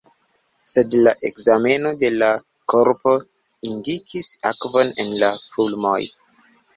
Sed la ekzameno de la korpo indikis akvon en la pulmoj.